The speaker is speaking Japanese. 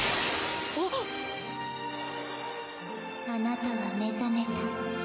あなたは目覚めた。